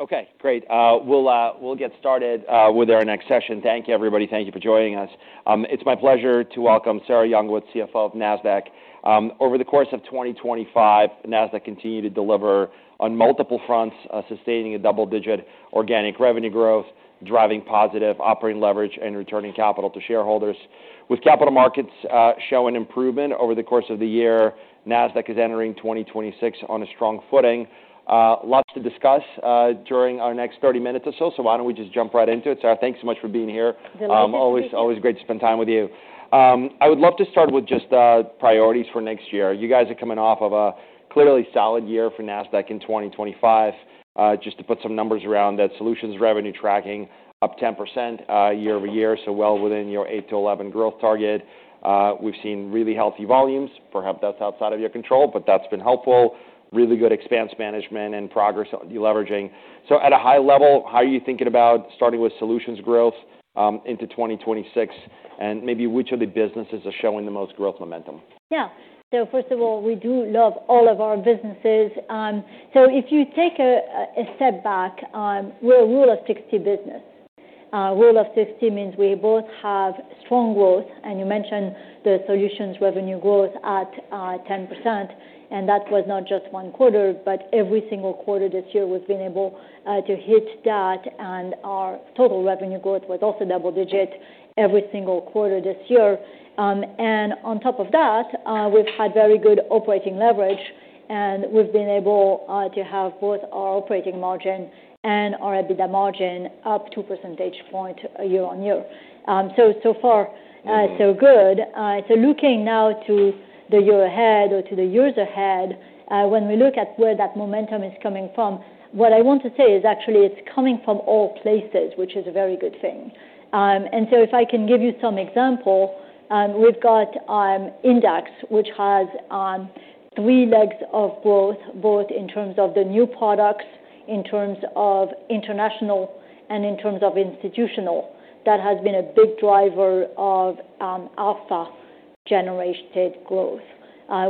Okay, great. We'll get started with our next session. Thank you, everybody. Thank you for joining us. It's my pleasure to welcome Sarah Youngwood, CFO of Nasdaq. Over the course of 2025, Nasdaq continued to deliver on multiple fronts, sustaining a double-digit organic revenue growth, driving positive operating leverage and returning capital to shareholders. With capital markets showing improvement over the course of the year, Nasdaq is entering 2026 on a strong footing. Lots to discuss during our next 30 minutes or so, so why don't we just jump right into it? Sarah, thanks so much for being here. Delighted to be here. Always great to spend time with you. I would love to start with just priorities for next year. You guys are coming off of a clearly solid year for Nasdaq in 2025. Just to put some numbers around that, Solutions revenue tracking up 10% year over year, so well within your 8%-11% growth target. We've seen really healthy volumes. Perhaps that's outside of your control, but that's been helpful. Really good expense management and progress you're leveraging. So at a high level, how are you thinking about starting with Solutions growth into 2026? And maybe which of the businesses are showing the most growth momentum? Yeah. So first of all, we do love all of our businesses. So if you take a step back, we're a Rule of 60 business. Rule of 60 means we both have strong growth. And you mentioned the Solutions revenue growth at 10%. And that was not just one quarter, but every single quarter this year we've been able to hit that. And our total revenue growth was also double-digit every single quarter this year. And on top of that, we've had very good operating leverage. And we've been able to have both our operating margin and our EBITDA margin up 2 percentage points year on year. So, so far, so good. So looking now to the year ahead or to the years ahead, when we look at where that momentum is coming from, what I want to say is actually it's coming from all places, which is a very good thing. And so if I can give you some example, we've got Index, which has three legs of growth, both in terms of the new products, in terms of international, and in terms of institutional. That has been a big driver of alpha-generated growth.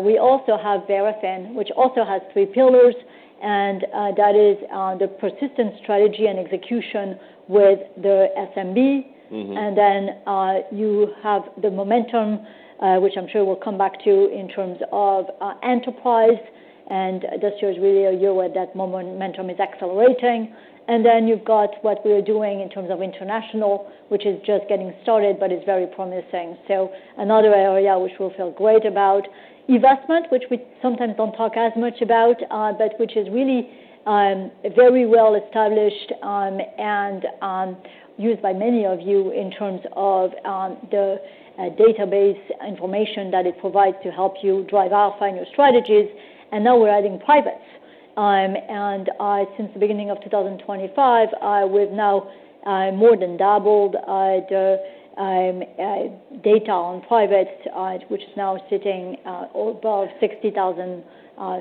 We also have Verafin, which also has three pillars. And that is the persistent strategy and execution with the SMB. And then you have the momentum, which I'm sure we'll come back to in terms of enterprise. And this year is really a year where that momentum is accelerating. And then you've got what we are doing in terms of international, which is just getting started, but it's very promising. So another area which we'll feel great about, eVestment, which we sometimes don't talk as much about, but which is really very well established and used by many of you in terms of the database information that it provides to help you drive alpha and your strategies. And now we're adding privates. And since the beginning of 2025, we've now more than doubled the data on privates, which is now sitting above 60,000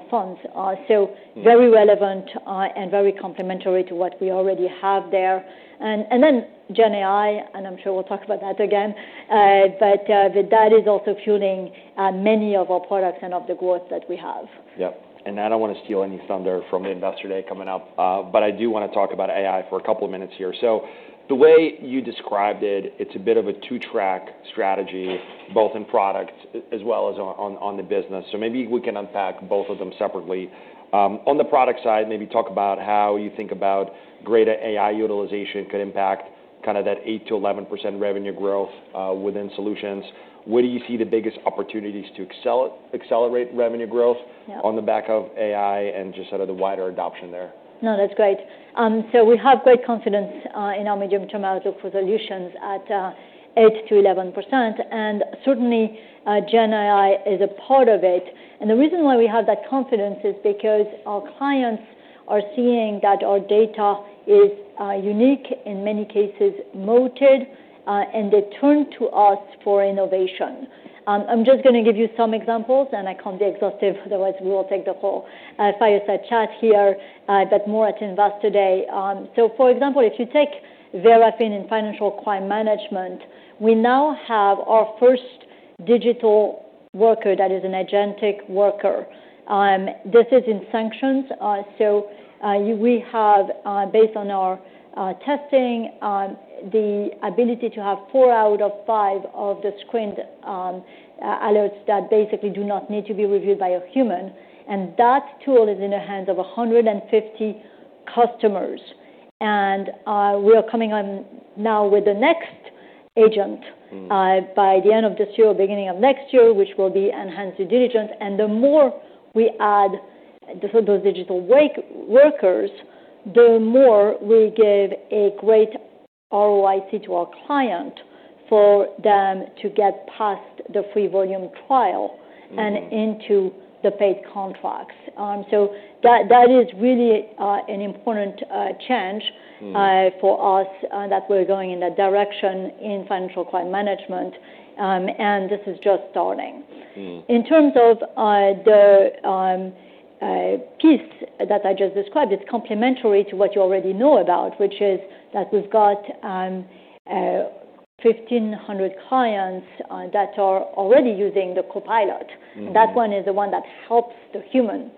funds. So very relevant and very complementary to what we already have there. And then GenAI, and I'm sure we'll talk about that again, but that is also fueling many of our products and of the growth that we have. Yeah. And I don't want to steal any thunder from the investor day coming up, but I do want to talk about AI for a couple of minutes here. So the way you described it, it's a bit of a two-track strategy, both in products as well as on the business. So maybe we can unpack both of them separately. On the product side, maybe talk about how you think about greater AI utilization could impact kind of that 8%-11% revenue growth within solutions. Where do you see the biggest opportunities to accelerate revenue growth on the back of AI and just sort of the wider adoption there? No, that's great. So we have great confidence in our medium-term outlook for solutions at 8%-11%. And certainly, GenAI is a part of it. And the reason why we have that confidence is because our clients are seeing that our data is unique, in many cases moated, and they turn to us for innovation. I'm just going to give you some examples, and I can't be exhaustive. Otherwise, we will take the whole fireside chat here, but more at Investor Day. So for example, if you take Verafin in Financial Crime Management, we now have our first digital worker that is an agentic worker. This is in sanctions. So we have, based on our testing, the ability to have four out of five of the screened alerts that basically do not need to be reviewed by a human. And that tool is in the hands of 150 customers. We are coming on now with the next agent by the end of this year or beginning of next year, which will be enhanced due diligence. The more we add those digital workers, the more we give a great ROIC to our client for them to get past the free volume trial and into the paid contracts. That is really an important change for us that we're going in that direction in Financial Crime Management. This is just starting. In terms of the piece that I just described, it's complementary to what you already know about, which is that we've got 1,500 clients that are already using the Copilot. That one is the one that helps the human,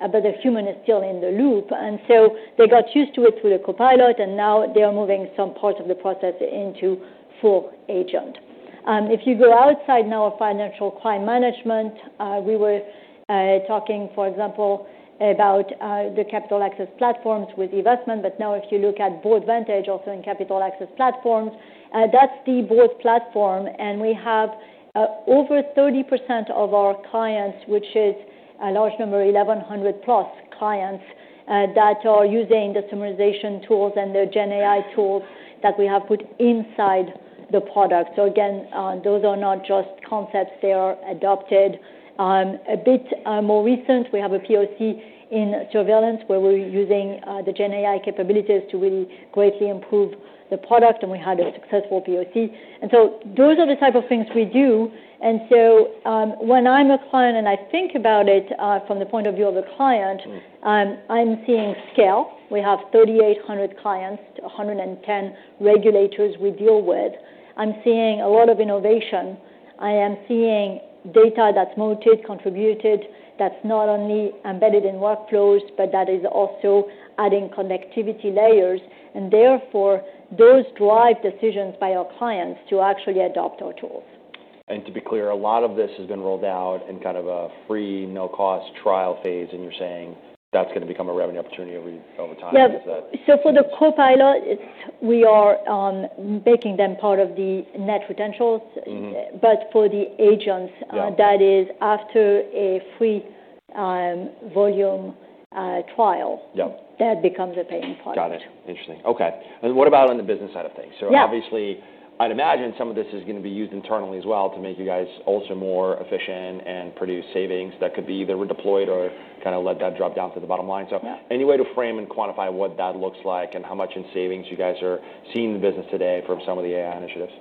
but the human is still in the loop. And so they got used to it through the Copilot, and now they are moving some parts of the process into full agent. If you go outside now of Financial Crime Management, we were talking, for example, about the Capital Access Platforms with eVestment. But now if you look at Boardvantage, also in Capital Access Platforms, that's the Board platform. And we have over 30% of our clients, which is a large number, 1,100 plus clients that are using the summarization tools and the GenAI tools that we have put inside the product. So again, those are not just concepts. They are adopted. A bit more recent, we have a POC in surveillance where we're using the GenAI capabilities to really greatly improve the product. And we had a successful POC. And so those are the type of things we do. And so when I'm a client and I think about it from the point of view of a client, I'm seeing scale. We have 3,800 clients, 110 regulators we deal with. I'm seeing a lot of innovation. I am seeing data that's moated, contributed, that's not only embedded in workflows, but that is also adding connectivity layers. And therefore, those drive decisions by our clients to actually adopt our tools. And to be clear, a lot of this has been rolled out in kind of a free, no-cost trial phase. And you're saying that's going to become a revenue opportunity over time. Yeah. So for the Copilot, we are making them part of the net potentials. But for the agents, that is after a free volume trial. That becomes a paying part. Got it. Interesting. Okay. And what about on the business side of things? So obviously, I'd imagine some of this is going to be used internally as well to make you guys also more efficient and produce savings that could be either deployed or kind of let that drop down to the bottom line. So any way to frame and quantify what that looks like and how much in savings you guys are seeing in the business today from some of the AI initiatives?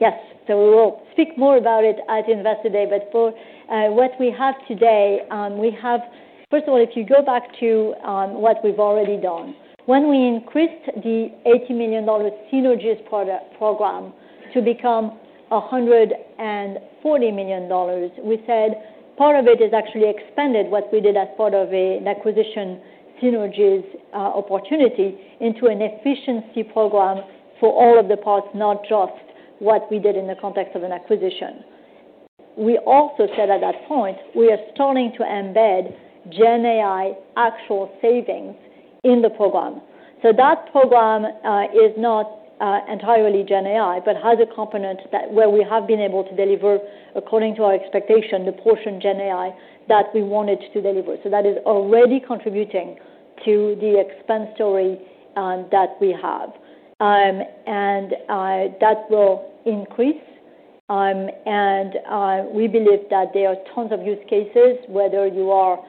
Yes. So we will speak more about it at Investor Day. But for what we have today, we have, first of all, if you go back to what we've already done, when we increased the $80 million synergies program to become $140 million, we said part of it is actually expanded what we did as part of an acquisition synergies opportunity into an efficiency program for all of the parts, not just what we did in the context of an acquisition. We also said at that point, we are starting to embed GenAI actual savings in the program. So that program is not entirely GenAI, but has a component where we have been able to deliver, according to our expectation, the portion GenAI that we wanted to deliver. So that is already contributing to the expense story that we have. And that will increase. And we believe that there are tons of use cases, whether you are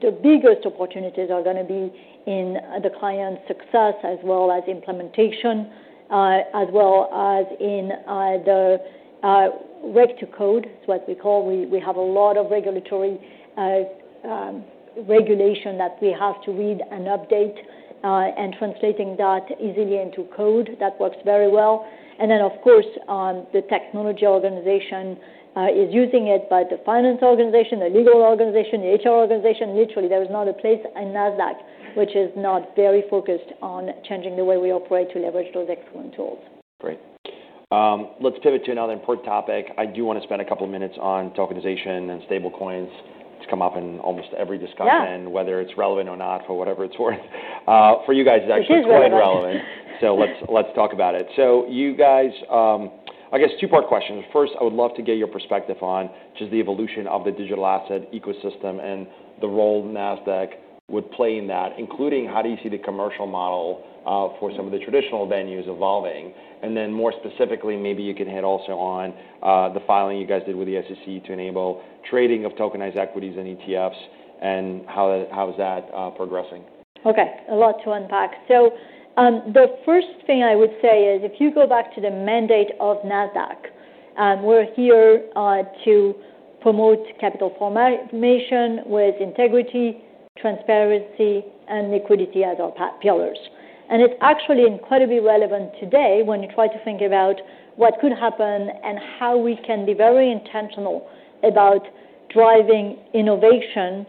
the biggest opportunities are going to be in the client's success as well as implementation, as well as in the Reg-to-Code, is what we call. We have a lot of regulatory regulation that we have to read and update and translating that easily into code. That works very well. And then, of course, the technology organization is using it, but the finance organization, the legal organization, the HR organization, literally, there is not a place in Nasdaq which is not very focused on changing the way we operate to leverage those excellent tools. Great. Let's pivot to another important topic. I do want to spend a couple of minutes on tokenization and stablecoins. It's come up in almost every discussion, whether it's relevant or not, for whatever it's worth. For you guys, it's actually quite relevant. So let's talk about it. So you guys, I guess two-part questions. First, I would love to get your perspective on just the evolution of the digital asset ecosystem and the role Nasdaq would play in that, including how do you see the commercial model for some of the traditional venues evolving. And then more specifically, maybe you can hit also on the filing you guys did with the SEC to enable trading of tokenized equities and ETFs and how is that progressing? Okay. A lot to unpack. So the first thing I would say is if you go back to the mandate of Nasdaq, we're here to promote capital formation with integrity, transparency, and liquidity as our pillars. And it's actually incredibly relevant today when you try to think about what could happen and how we can be very intentional about driving innovation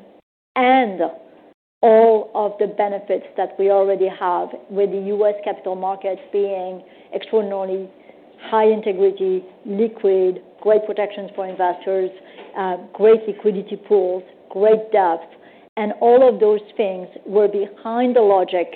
and all of the benefits that we already have with the U.S. capital markets being extraordinarily high integrity, liquid, great protections for investors, great liquidity pools, great depth, and all of those things were behind the logic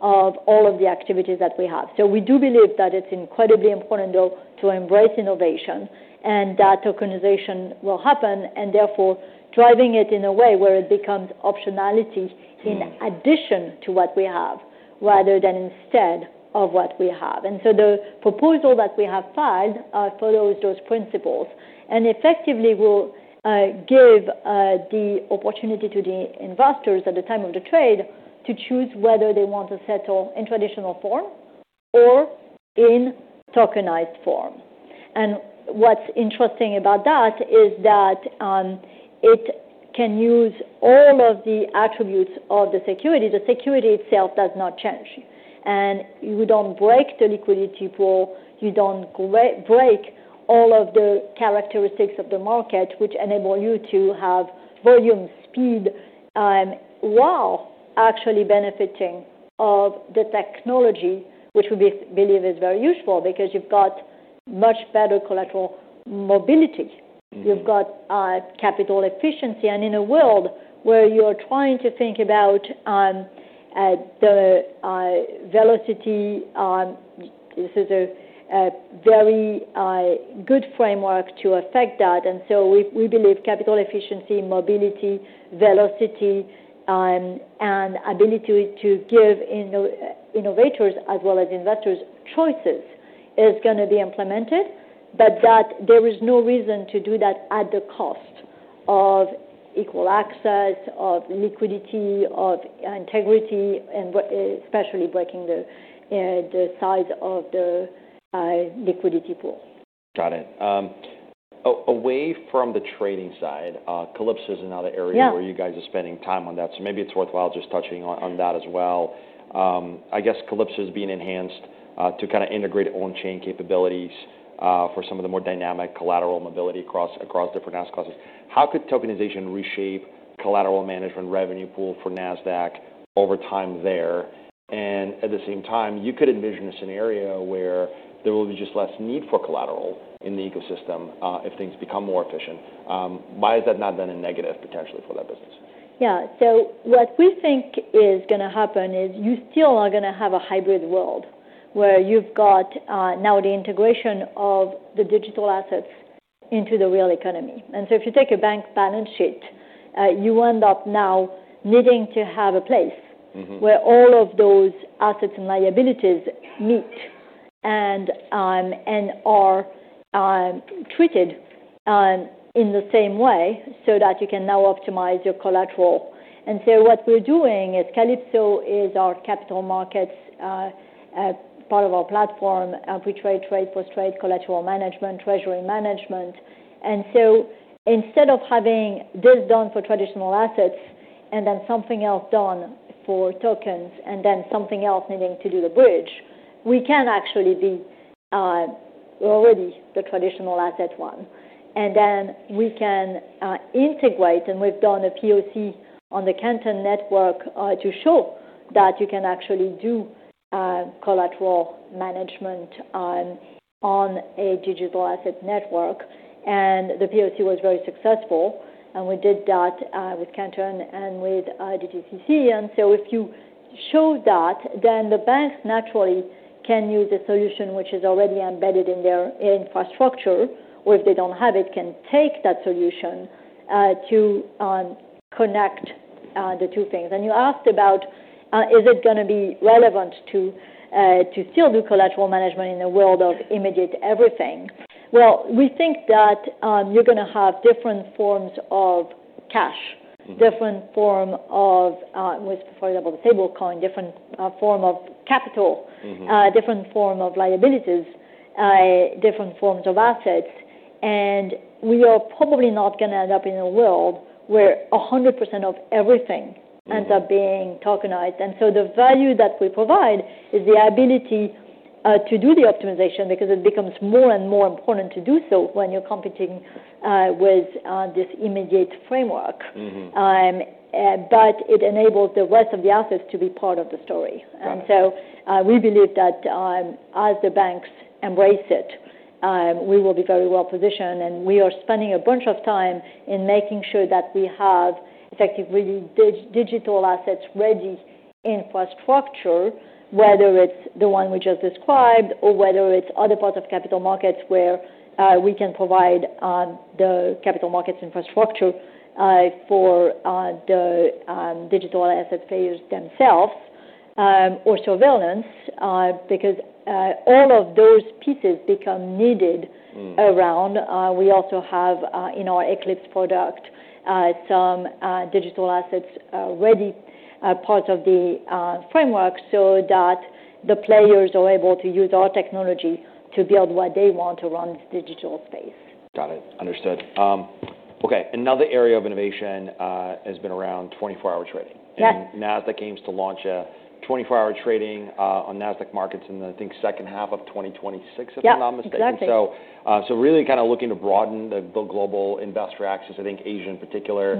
of all of the activities that we have. So we do believe that it's incredibly important, though, to embrace innovation and that tokenization will happen and therefore driving it in a way where it becomes optionality in addition to what we have rather than instead of what we have. And so the proposal that we have filed follows those principles and effectively will give the opportunity to the investors at the time of the trade to choose whether they want to settle in traditional form or in tokenized form. And what's interesting about that is that it can use all of the attributes of the security. The security itself does not change. And you don't break the liquidity pool. You don't break all of the characteristics of the market, which enable you to have volume speed while actually benefiting of the technology, which we believe is very useful because you've got much better collateral mobility. You've got capital efficiency. And in a world where you are trying to think about the velocity, this is a very good framework to affect that. And so we believe capital efficiency, mobility, velocity, and ability to give innovators as well as investors choices is going to be implemented, but that there is no reason to do that at the cost of equal access, of liquidity, of integrity, and especially breaking the size of the liquidity pool. Got it. Away from the trading side, Calypso is another area where you guys are spending time on that. So maybe it's worthwhile just touching on that as well. I guess Calypso is being enhanced to kind of integrate on-chain capabilities for some of the more dynamic collateral mobility across different asset classes. How could tokenization reshape collateral management revenue pool for Nasdaq over time there? And at the same time, you could envision a scenario where there will be just less need for collateral in the ecosystem if things become more efficient. Why has that not been a negative potentially for that business? Yeah, so what we think is going to happen is you still are going to have a hybrid world where you've got now the integration of the digital assets into the real economy, and so if you take a bank balance sheet, you end up now needing to have a place where all of those assets and liabilities meet and are treated in the same way so that you can now optimize your collateral, and so what we're doing is Calypso is our capital markets part of our platform, which trades post-trade collateral management, treasury management, and so instead of having this done for traditional assets and then something else done for tokens and then something else needing to do the bridge, we can actually be already the traditional asset one, and then we can integrate. And we've done a POC on the Canton Network to show that you can actually do collateral management on a digital asset network. And the POC was very successful. And we did that with Canton and with DTCC. And so if you show that, then the banks naturally can use a solution which is already embedded in their infrastructure, or if they don't have it, can take that solution to connect the two things. And you asked about is it going to be relevant to still do collateral management in the world of immediate everything. Well, we think that you're going to have different forms of cash, different form of, for example, the stablecoin, different form of capital, different form of liabilities, different forms of assets. And we are probably not going to end up in a world where 100% of everything ends up being tokenized. And so the value that we provide is the ability to do the optimization because it becomes more and more important to do so when you're competing with this immutable framework. But it enables the rest of the assets to be part of the story. And so we believe that as the banks embrace it, we will be very well positioned. And we are spending a bunch of time in making sure that we have effective digital asset-ready infrastructure, whether it's the one we just described or whether it's other parts of capital markets where we can provide the capital markets infrastructure for the digital asset players themselves or surveillance because all of those pieces become needed around. We also have in our Calypso product some digital assets ready parts of the framework so that the players are able to use our technology to build what they want to run this digital space. Got it. Understood. Okay. Another area of innovation has been around 24-hour trading, and Nasdaq aims to launch a 24-hour trading on Nasdaq markets in, I think, second half of 2026, if I'm not mistaken, so really kind of looking to broaden the global investor access. I think Asia in particular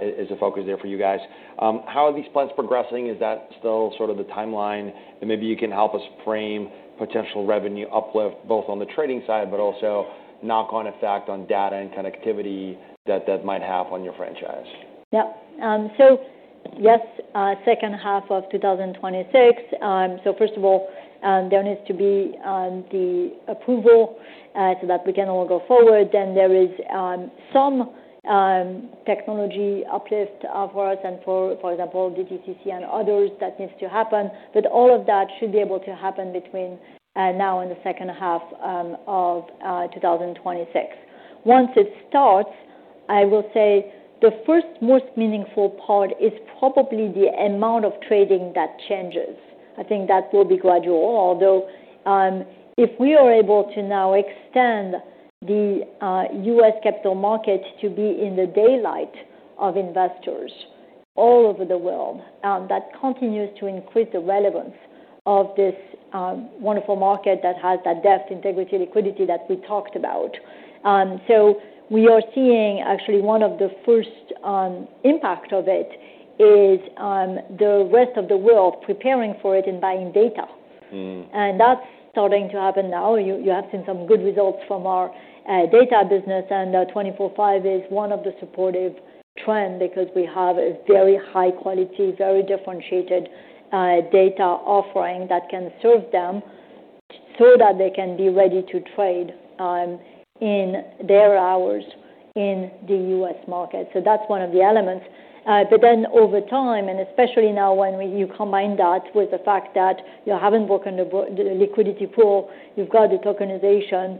is a focus there for you guys. How are these plans progressing? Is that still sort of the timeline, and maybe you can help us frame potential revenue uplift both on the trading side, but also knock-on effect on data and connectivity that that might have on your franchise. Yeah. So yes, second half of 2026. So first of all, there needs to be the approval so that we can all go forward. Then there is some technology uplift for us and, for example, DTCC and others that needs to happen. But all of that should be able to happen between now and the second half of 2026. Once it starts, I will say the first most meaningful part is probably the amount of trading that changes. I think that will be gradual. Although if we are able to now extend the U.S. capital market to be in the daylight of investors all over the world, that continues to increase the relevance of this wonderful market that has that depth, integrity, liquidity that we talked about. So we are seeing actually one of the first impacts of it is the rest of the world preparing for it and buying data. And that's starting to happen now. You have seen some good results from our data business. And 24/5 is one of the supportive trends because we have a very high-quality, very differentiated data offering that can serve them so that they can be ready to trade in their hours in the U.S. market. So that's one of the elements. But then over time, and especially now when you combine that with the fact that you haven't broken the liquidity pool, you've got the tokenization,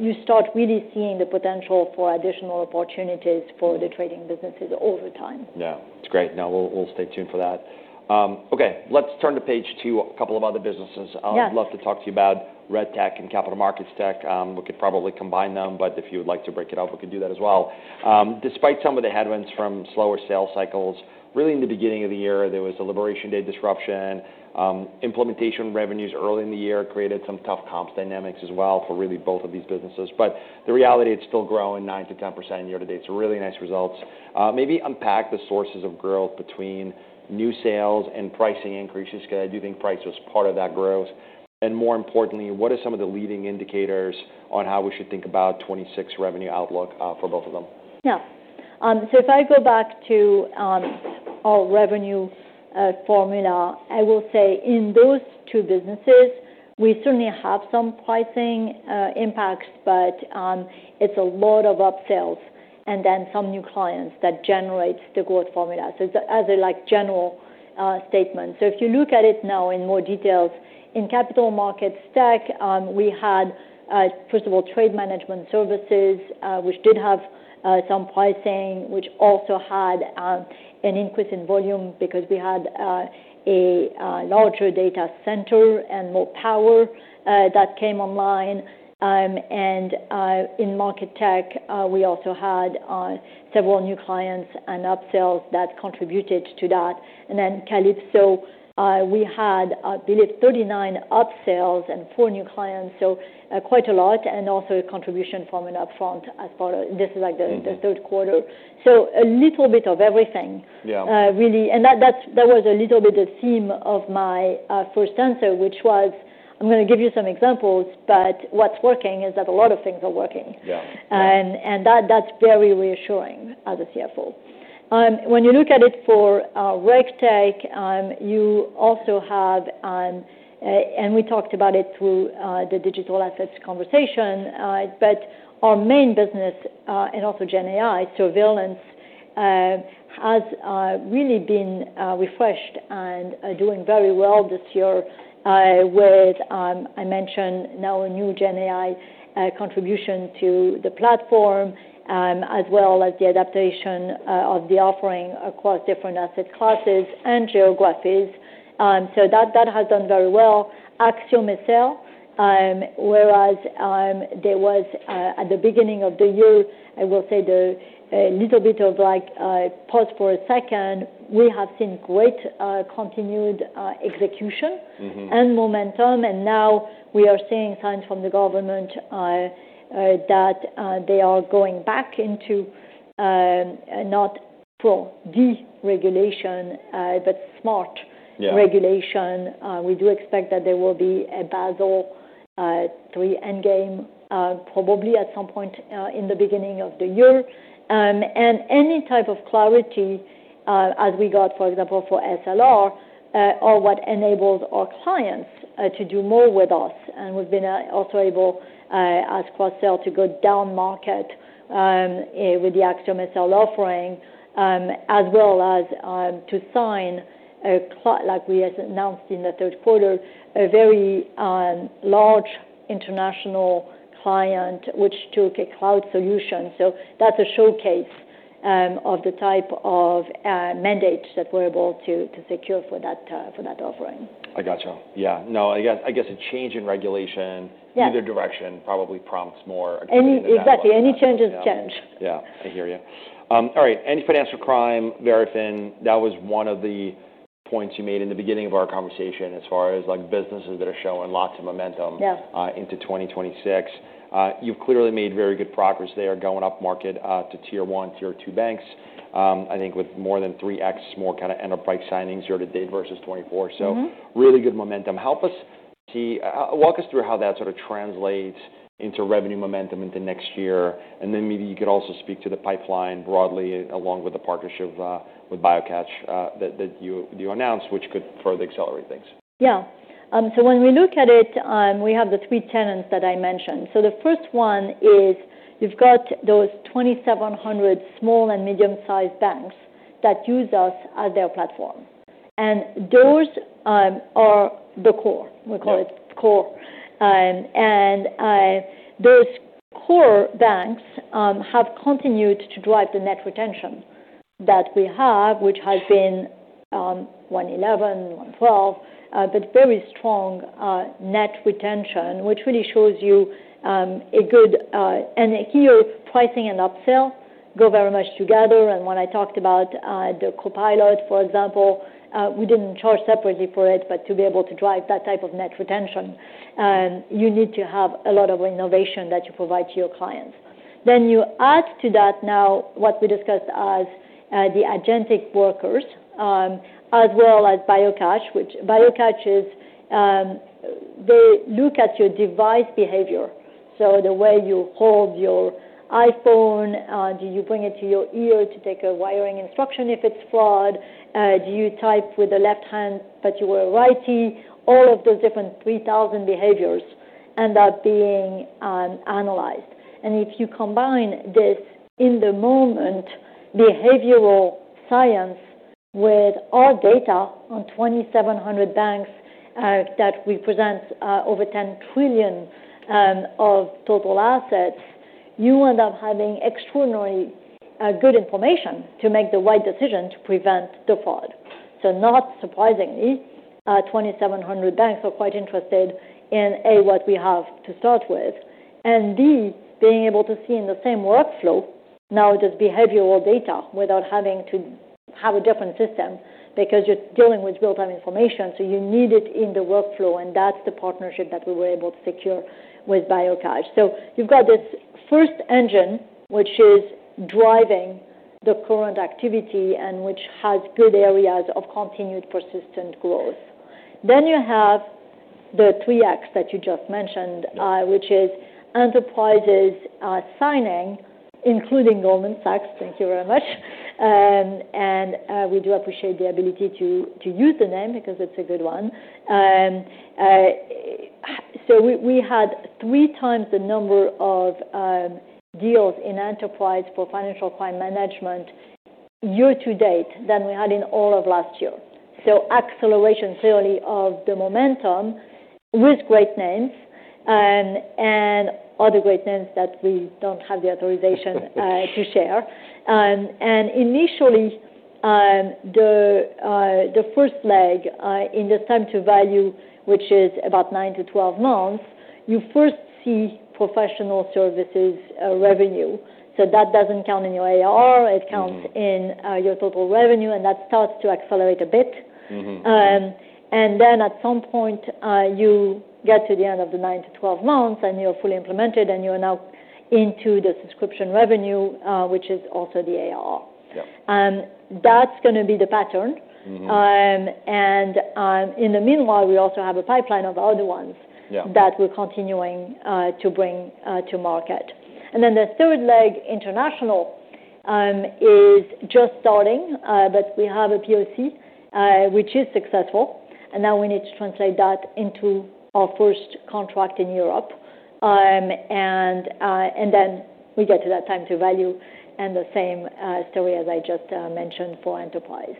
you start really seeing the potential for additional opportunities for the trading businesses over time. Yeah. That's great. Now we'll stay tuned for that. Okay. Let's turn to page to a couple of other businesses. I'd love to talk to you about FinTech and Capital Markets Tech. We could probably combine them, but if you would like to break it up, we could do that as well. Despite some of the headwinds from slower sales cycles, really in the beginning of the year, there was a Integration Day disruption. Implementation revenues early in the year created some tough comps dynamics as well for really both of these businesses. But the reality, it's still growing 9%-10% year to date. So really nice results. Maybe unpack the sources of growth between new sales and pricing increases because I do think price was part of that growth. More importantly, what are some of the leading indicators on how we should think about 2026 revenue outlook for both of them? Yeah. So if I go back to our revenue formula, I will say in those two businesses, we certainly have some pricing impacts, but it's a lot of upsells and then some new clients that generates the growth formula. So as a general statement. So if you look at it now in more detail, in Capital Markets Tech, we had, first of all, Trade Management Services, which did have some pricing, which also had an increase in volume because we had a larger data center and more power that came online. And in Market Tech, we also had several new clients and upsells that contributed to that. And then Calypso, we had, I believe, 39 upsells and four new clients. So quite a lot and also a contribution from an upfront as part of this is like the third quarter. So a little bit of everything really. And that was a little bit the theme of my first answer, which was, I'm going to give you some examples, but what's working is that a lot of things are working. And that's very reassuring as a CFO. When you look at it for RegTech, you also have, and we talked about it through the digital assets conversation, but our main business and also GenAI surveillance has really been refreshed and doing very well this year with, I mentioned now a new GenAI contribution to the platform as well as the adaptation of the offering across different asset classes and geographies. So that has done very well. AxiomSL, whereas there was at the beginning of the year, I will say the little bit of like pause for a second, we have seen great continued execution and momentum. Now we are seeing signs from the government that they are going back into not full deregulation, but smart regulation. We do expect that there will be a Basel III Endgame probably at some point in the beginning of the year. Any type of clarity as we got, for example, for SLR or what enables our clients to do more with us. We've been also able as cross-sell to go down market with the AxiomSL offering as well as to sign, like we announced in the third quarter, a very large international client, which took a cloud solution. That's a showcase of the type of mandate that we're able to secure for that offering. I gotcha. Yeah. No, I guess a change in regulation either direction probably prompts more agreement. Exactly. Any change is change. Yeah. I hear you. All right. Any financial crime, Verafin, that was one of the points you made in the beginning of our conversation as far as businesses that are showing lots of momentum into 2026. You've clearly made very good progress there going up market to tier one, tier two banks, I think with more than 3X more kind of enterprise signings year to date versus 2024. So really good momentum. Help us see, walk us through how that sort of translates into revenue momentum into next year. And then maybe you could also speak to the pipeline broadly along with the partnership with BioCatch that you announced, which could further accelerate things. Yeah. So when we look at it, we have the three tenets that I mentioned. So the first one is you've got those 2,700 small and medium-sized banks that use us as their platform. And those are the core. We call it core. And those core banks have continued to drive the net retention that we have, which has been 111, 112, but very strong net retention, which really shows you a good and sticky pricing and upsell go very much together. And when I talked about the Copilot, for example, we didn't charge separately for it, but to be able to drive that type of net retention, you need to have a lot of innovation that you provide to your clients. Then you add to that now what we discussed as the agentic workers as well as BioCatch, which BioCatch is they look at your device behavior. So the way you hold your iPhone, do you bring it to your ear to take a wire instruction if it's flawed? Do you type with the left hand, but you were righty? All of those different 3,000 behaviors end up being analyzed. And if you combine this in the moment, behavioral science with our data on 2,700 banks that represents over $10 trillion of total assets, you end up having extraordinarily good information to make the right decision to prevent the fraud. So not surprisingly, 2,700 banks are quite interested in A, what we have to start with, and B, being able to see in the same workflow now just behavioral data without having to have a different system because you're dealing with real-time information. So you need it in the workflow. And that's the partnership that we were able to secure with BioCatch. So you've got this first engine, which is driving the current activity and which has good areas of continued persistent growth. Then you have the 3X that you just mentioned, which is enterprises signing, including Goldman Sachs. Thank you very much. And we do appreciate the ability to use the name because it's a good one. So we had three times the number of deals in enterprise for financial crime management year to date than we had in all of last year. So acceleration clearly of the momentum with great names and other great names that we don't have the authorization to share. And initially, the first leg in the time to value, which is about 9-12 months, you first see professional services revenue. So that doesn't count in your ARR. It counts in your total revenue. And that starts to accelerate a bit. And then at some point, you get to the end of the nine-to-12 months and you're fully implemented and you're now into the subscription revenue, which is also the ARR. That's going to be the pattern. In the meanwhile, we also have a pipeline of other ones that we're continuing to bring to market. The third leg international is just starting, but we have a POC, which is successful. Now we need to translate that into our first contract in Europe. Then we get to that time to value and the same story as I just mentioned for enterprise.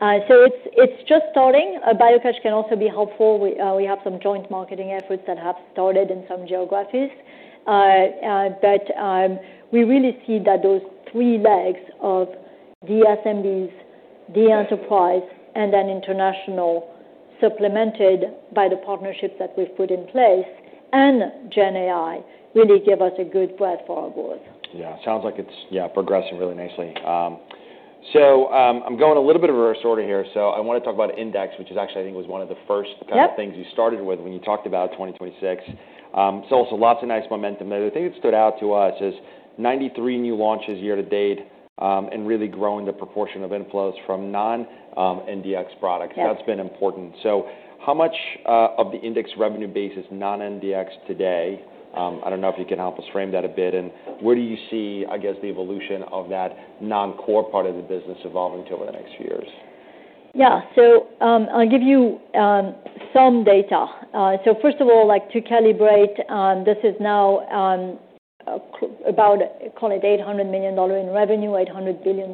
It's just starting. BioCatch can also be helpful. We have some joint marketing efforts that have started in some geographies. But we really see that those three legs of the SMBs, the enterprise, and then international supplemented by the partnerships that we've put in place and GenAI really give us a good breadth for our growth. Yeah. It sounds like it's, yeah, progressing really nicely. So I'm going a little bit of a reverse order here. So I want to talk about Index, which is actually, I think it was one of the first kind of things you started with when you talked about 2026. So also lots of nice momentum. The thing that stood out to us is 93 new launches year to date and really growing the proportion of inflows from non-NDX products. That's been important. So how much of the index revenue base is non-NDX today? I don't know if you can help us frame that a bit. And where do you see, I guess, the evolution of that non-core part of the business evolving to over the next few years? Yeah. So I'll give you some data. So first of all, to calibrate, this is now about, call it $800 million in revenue, $800 billion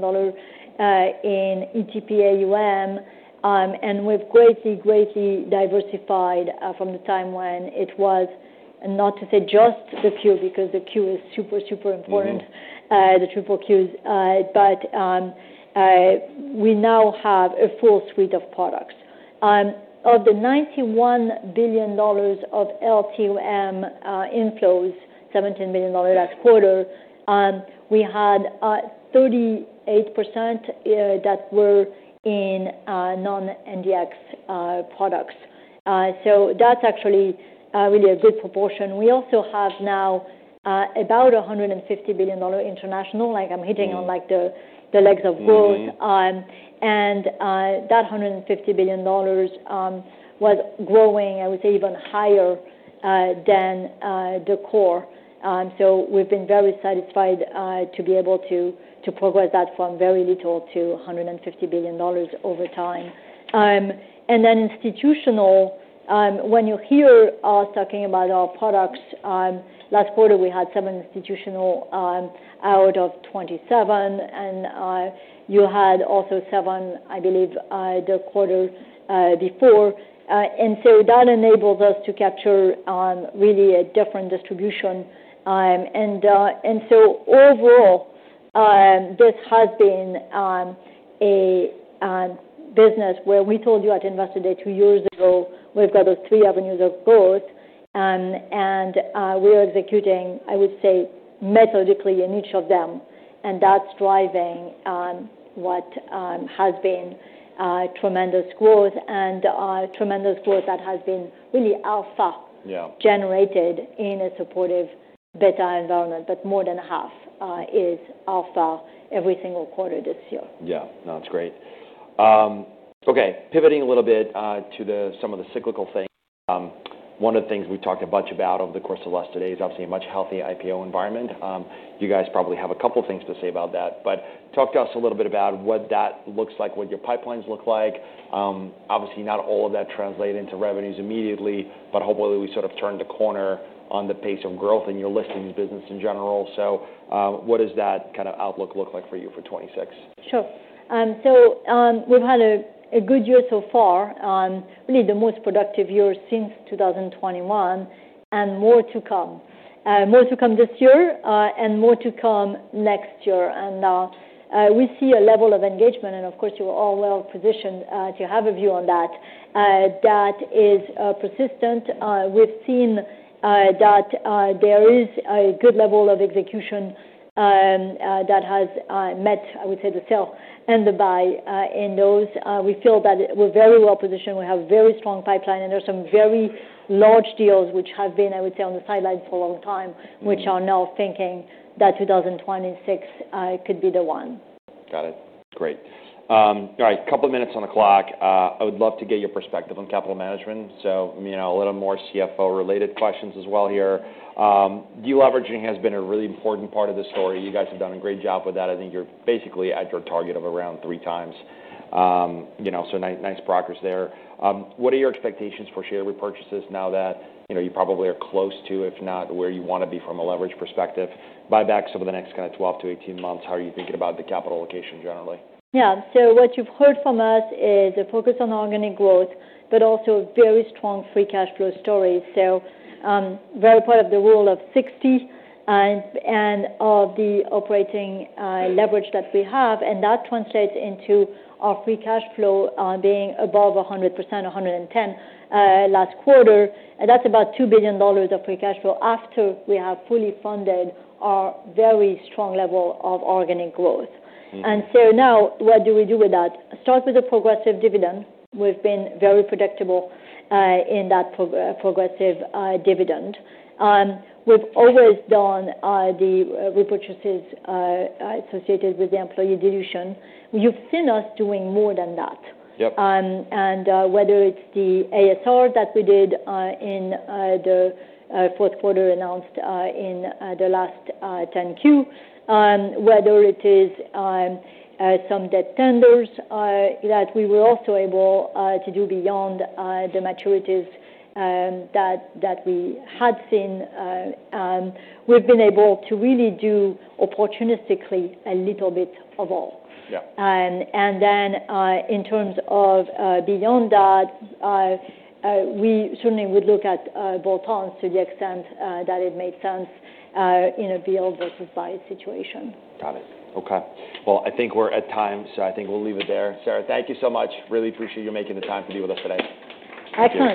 in ETP AUM. And we've greatly, greatly diversified from the time when it was not to say just the Q because the Q is super, super important, the Triple Qs. But we now have a full suite of products. Of the $91 billion of LTM inflows, $17 billion last quarter, we had 38% that were in non-NDX products. So that's actually really a good proportion. We also have now about $150 billion international. I'm hitting on the legs of growth. And that $150 billion was growing, I would say, even higher than the core. So we've been very satisfied to be able to progress that from very little to $150 billion over time. And then, institutional. When you hear us talking about our products, last quarter we had seven institutional out of 27. And you had also seven, I believe, the quarter before. And so that enables us to capture really a different distribution. And so overall, this has been a business where we told you at Investor Day two years ago, we've got those three avenues of growth. And we are executing, I would say, methodically in each of them. And that's driving what has been tremendous growth and tremendous growth that has been really alpha generated in a supportive beta environment, but more than half is alpha every single quarter this year. Yeah. No, that's great. Okay. Pivoting a little bit to some of the cyclical things. One of the things we've talked a bunch about over the course of the last two days is obviously a much healthier IPO environment. You guys probably have a couple of things to say about that, but talk to us a little bit about what that looks like, what your pipelines look like. Obviously, not all of that translates into revenues immediately, but hopefully we sort of turn the corner on the pace of growth and your listings business in general. So what does that kind of outlook look like for you for 2026? Sure, so we've had a good year so far, really the most productive year since 2021 and more to come. More to come this year and more to come next year, and we see a level of engagement, and of course, you are all well positioned to have a view on that. That is persistent. We've seen that there is a good level of execution that has met, I would say, the sell and the buy in those. We feel that we're very well positioned. We have a very strong pipeline, and there are some very large deals which have been, I would say, on the sidelines for a long time, which are now thinking that 2026 could be the one. Got it. Great. All right. A couple of minutes on the clock. I would love to get your perspective on capital management. So a little more CFO-related questions as well here. The leveraging has been a really important part of the story. You guys have done a great job with that. I think you're basically at your target of around three times. So nice progress there. What are your expectations for share repurchases now that you probably are close to, if not, where you want to be from a leverage perspective? Buybacks over the next kind of 12-18 months, how are you thinking about the capital allocation generally? Yeah. So what you've heard from us is a focus on organic growth, but also very strong free cash flow stories. So very part of the Rule of 60 and of the operating leverage that we have. And that translates into our free cash flow being above 100%, 110% last quarter. And that's about $2 billion of free cash flow after we have fully funded our very strong level of organic growth. And so now what do we do with that? Start with a progressive dividend. We've been very predictable in that progressive dividend. We've always done the repurchases associated with the employee dilution. You've seen us doing more than that. Whether it's the ASR that we did in the fourth quarter announced in the last 10-Q, whether it is some debt tenders that we were also able to do beyond the maturities that we had seen, we've been able to really do opportunistically a little bit of all. In terms of beyond that, we certainly would look at bolt-ons to the extent that it made sense in a build versus buy situation. Got it. Okay. Well, I think we're at time, so I think we'll leave it there. Sarah, thank you so much. Really appreciate you making the time to be with us today. Excellent.